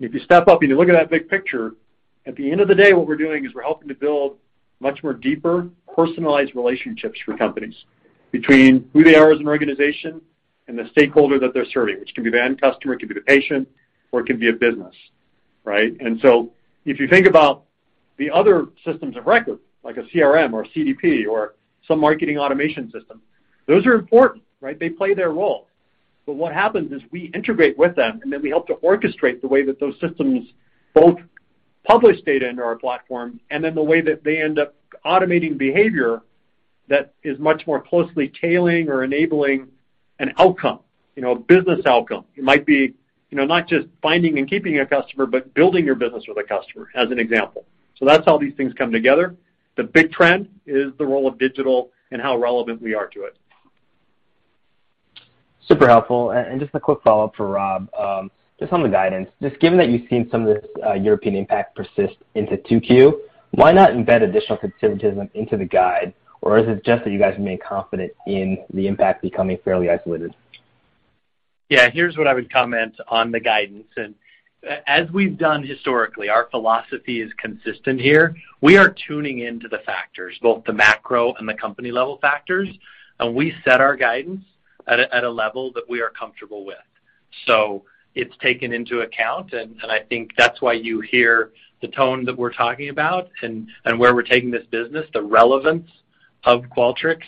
If you step up and you look at that big picture, at the end of the day, what we're doing is we're helping to build much more deeper, personalized relationships for companies between who they are as an organization and the stakeholder that they're serving, which can be the end customer, it could be the patient, or it can be a business. Right? If you think about the other systems of record, like a CRM or a CDP or some marketing automation system, those are important, right? They play their role. What happens is we integrate with them, and then we help to orchestrate the way that those systems both publish data into our platform and then the way that they end up automating behavior that is much more closely tailoring or enabling an outcome, you know, a business outcome. It might be, you know, not just finding and keeping a customer, but building your business with a customer, as an example. That's how these things come together. The big trend is the role of digital and how relevant we are to it. Super helpful. And just a quick follow-up for Rob, just on the guidance. Just given that you've seen some of this European impact persist into 2Q, why not embed additional conservatism into the guide? Or is it just that you guys remain confident in the impact becoming fairly isolated? Yeah, here's what I would comment on the guidance. As we've done historically, our philosophy is consistent here. We are tuning into the factors, both the macro and the company level factors, and we set our guidance at a level that we are comfortable with. It's taken into account, and I think that's why you hear the tone that we're talking about and where we're taking this business, the relevance of Qualtrics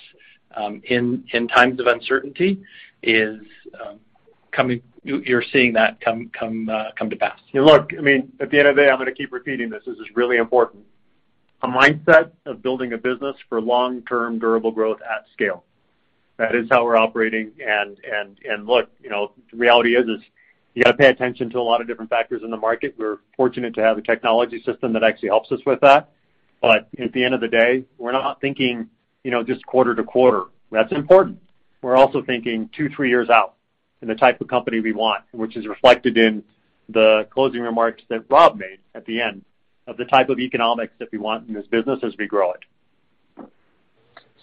in times of uncertainty is coming to pass. You're seeing that. Yeah, look, I mean, at the end of the day, I'm gonna keep repeating this. This is really important. A mindset of building a business for long-term durable growth at scale. That is how we're operating. Look, you know, the reality is you gotta pay attention to a lot of different factors in the market. We're fortunate to have a technology system that actually helps us with that. At the end of the day, we're not thinking, you know, just quarter to quarter. That's important. We're also thinking 2, 3 years out and the type of company we want, which is reflected in the closing remarks that Rob made at the end of the type of economics that we want in this business as we grow it.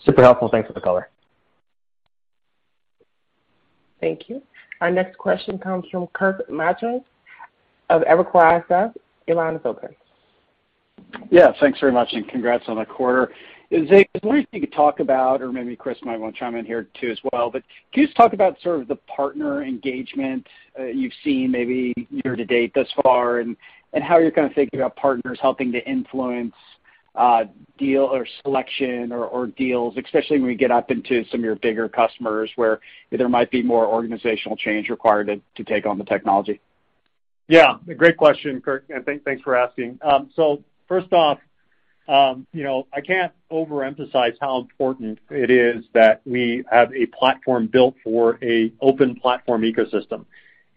Super helpful. Thanks for the color. Thank you. Our next question comes from Kirk Materne of Evercore ISI. Your line is open. Yeah. Thanks very much, and congrats on the quarter. Zig, I was wondering if you could talk about, or maybe Chris might wanna chime in here too as well, but can you just talk about sort of the partner engagement you've seen maybe year to date thus far, and how you're kind of thinking about partners helping to influence deal or selection or deals, especially when we get up into some of your bigger customers, where there might be more organizational change required to take on the technology? Yeah. Great question, Kirk, and thanks for asking. So first off, you know, I can't overemphasize how important it is that we have a platform built for an open platform ecosystem,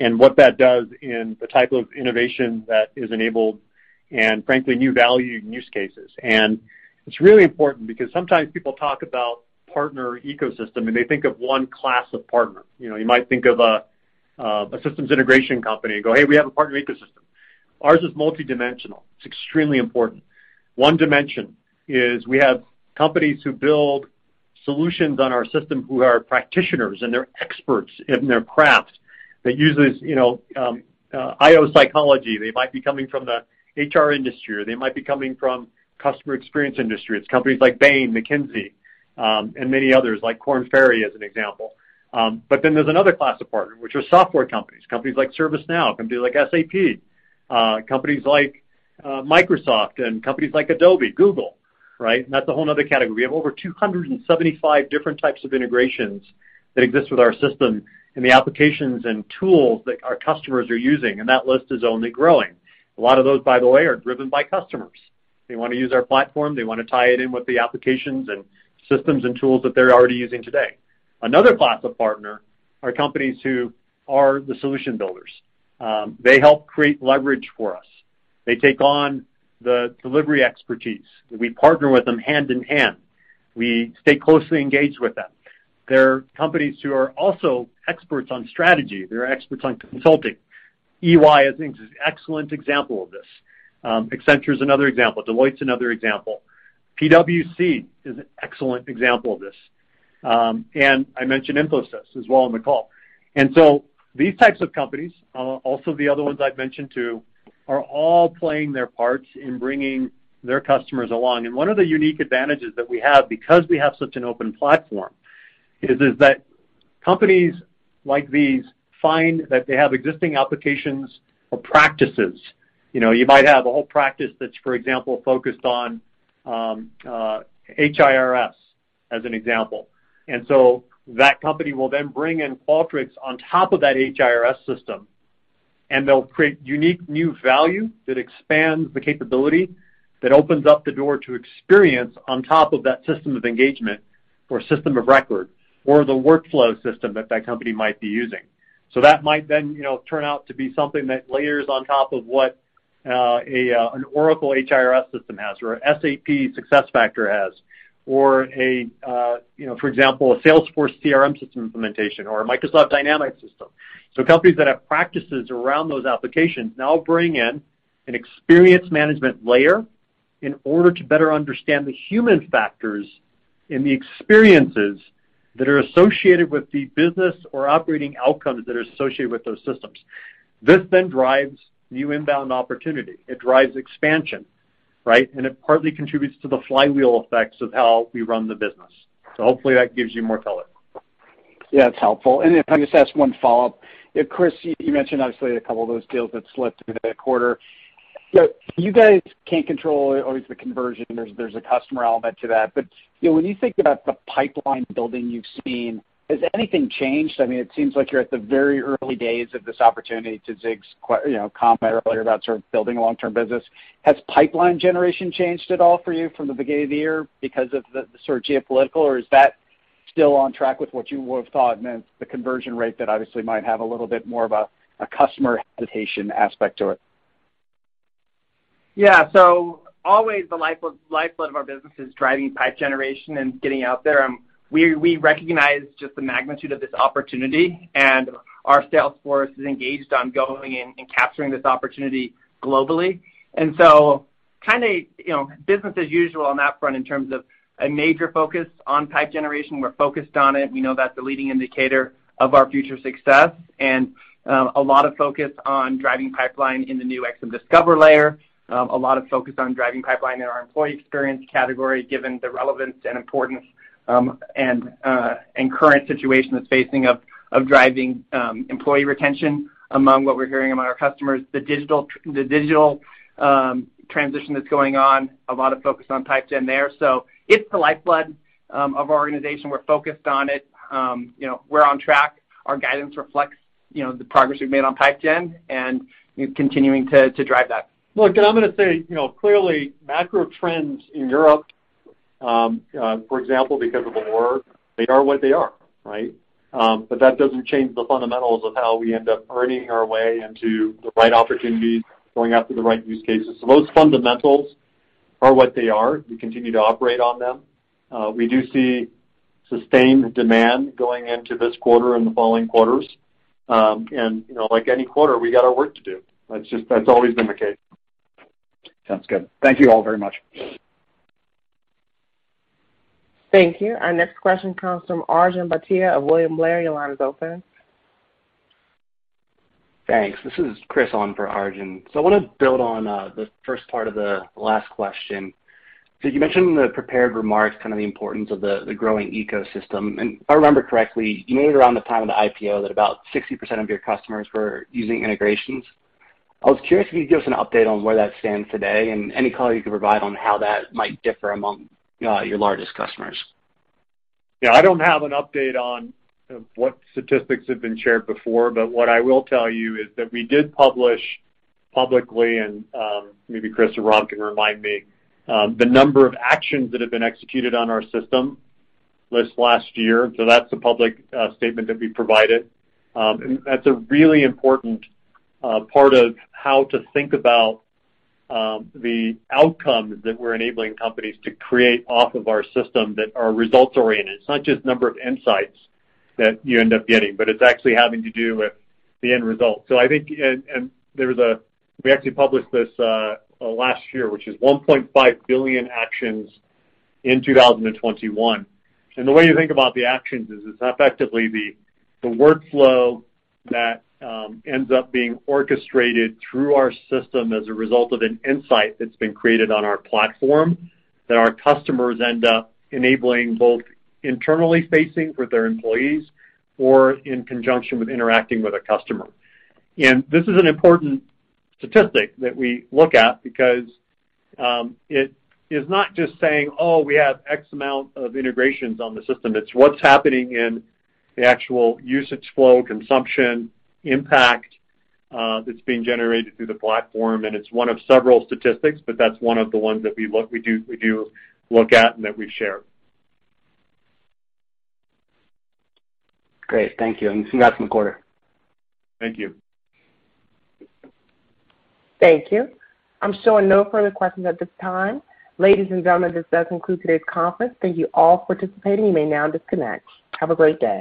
and what that does in the type of innovation that is enabled and frankly, new value use cases. It's really important because sometimes people talk about partner ecosystem, and they think of one class of partner. You know, you might think of a systems integration company and go, "Hey, we have a partner ecosystem." Ours is multidimensional. It's extremely important. One dimension is we have companies who build solutions on our system who are practitioners, and they're experts in their crafts. They use this, you know, I/O psychology. They might be coming from the HR industry, or they might be coming from customer experience industry. It's companies like Bain, McKinsey, and many others like Korn Ferry, as an example. But then there's another class of partner, which are software companies like ServiceNow, companies like SAP, companies like Microsoft, and companies like Adobe, Google, right? That's a whole nother category. We have over 275 different types of integrations that exist with our system and the applications and tools that our customers are using, and that list is only growing. A lot of those, by the way, are driven by customers. They wanna use our platform. They wanna tie it in with the applications and systems and tools that they're already using today. Another class of partner are companies who are the solution builders. They help create leverage for us. They take on the delivery expertise. We partner with them hand in hand. We stay closely engaged with them. They're companies who are also experts on strategy. They're experts on consulting. EY is an excellent example of this. Accenture is another example. Deloitte's another example. PwC is an excellent example of this. I mentioned Infosys as well on the call. These types of companies, also the other ones I've mentioned too, are all playing their parts in bringing their customers along. One of the unique advantages that we have because we have such an open platform is that companies like these find that they have existing applications or practices. You know, you might have a whole practice that's, for example, focused on HRIS, as an example. That company will then bring in Qualtrics on top of that HRIS system, and they'll create unique new value that expands the capability, that opens up the door to experience on top of that system of engagement or system of record or the workflow system that that company might be using. That might then, you know, turn out to be something that layers on top of what an Oracle HRIS system has or a SAP SuccessFactors has, or a you know for example a Salesforce CRM system implementation or a Microsoft Dynamics system. Companies that have practices around those applications now bring in an experience management layer in order to better understand the human factors and the experiences that are associated with the business or operating outcomes that are associated with those systems. This then drives new inbound opportunity. It drives expansion, right? It partly contributes to the flywheel effects of how we run the business. Hopefully that gives you more color. Yeah, it's helpful. If I can just ask one follow-up. Chris, you mentioned obviously a couple of those deals that slipped through the quarter. You know, you guys can't control always the conversion. There's a customer element to that. You know, when you think about the pipeline building you've seen, has anything changed? I mean, it seems like you're at the very early days of this opportunity to Zig's comment earlier about sort of building a long-term business. Has pipeline generation changed at all for you from the beginning of the year because of the sort of geopolitical, or is that still on track with what you would've thought and then the conversion rate that obviously might have a little bit more of a customer hesitation aspect to it? Yeah, the lifeblood of our business is driving pipeline generation and getting out there. We recognize just the magnitude of this opportunity, and our sales force is engaged on going and capturing this opportunity globally. Kind of, you know, business as usual on that front in terms of a major focus on pipeline generation. We're focused on it. We know that's a leading indicator of our future success, and a lot of focus on driving pipeline in the new XM Discover layer. A lot of focus on driving pipeline in our employee experience category, given the relevance and importance, and current situation that's facing of driving employee retention. Among what we're hearing among our customers, the digital transition that's going on, a lot of focus on pipeline gen there. It's the lifeblood of our organization. We're focused on it. You know, we're on track. Our guidance reflects, you know, the progress we've made on pipeline gen and continuing to drive that. Look, and I'm gonna say, you know, clearly macro trends in Europe, for example, because of the war, they are what they are, right? That doesn't change the fundamentals of how we end up earning our way into the right opportunities, going after the right use cases. Those fundamentals are what they are. We continue to operate on them. We do see sustained demand going into this quarter and the following quarters. You know, like any quarter, we got our work to do. That's just always been the case. Sounds good. Thank you all very much. Thank you. Our next question comes from Arjun Bhatia of William Blair. Your line is open. Thanks. This is Chris on for Arjun. I wanna build on the first part of the last question. You mentioned in the prepared remarks kind of the importance of the growing ecosystem, and if I remember correctly, you noted around the time of the IPO that about 60% of your customers were using integrations. I was curious if you could give us an update on where that stands today and any color you could provide on how that might differ among your largest customers. Yeah, I don't have an update on what statistics have been shared before, but what I will tell you is that we did publish publicly, and maybe Chris or Rob can remind me the number of actions that have been executed on our system this last year. That's a public statement that we provided. That's a really important part of how to think about the outcomes that we're enabling companies to create off of our system that are results-oriented. It's not just number of insights that you end up getting, but it's actually having to do with the end result. So I think we actually published this last year, which is 1.5 billion actions in 2021. The way you think about the actions is it's effectively the workflow that ends up being orchestrated through our system as a result of an insight that's been created on our platform that our customers end up enabling both internally facing with their employees or in conjunction with interacting with a customer. This is an important statistic that we look at because it is not just saying, "Oh, we have X amount of integrations on the system." It's what's happening in the actual usage flow, consumption, impact that's being generated through the platform, and it's one of several statistics, but that's one of the ones that we look at and that we share. Great. Thank you, and congrats on the quarter. Thank you. Thank you. I'm showing no further questions at this time. Ladies and gentlemen, this does conclude today's conference. Thank you all for participating. You may now disconnect. Have a great day.